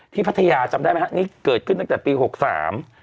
พัทยาจำได้ไหมฮะนี่เกิดขึ้นตั้งแต่ปีหกสาม